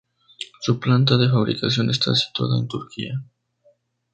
Su planta de fabricación está situada en Turquía